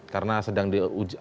karena sedang diujikan